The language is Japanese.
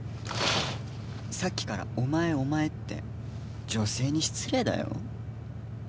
さっきからお前お前って女性に失礼だよ